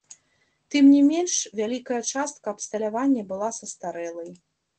Тым не менш, вялікая частка абсталявання была састарэлай.